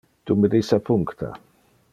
Tu me disappuncta.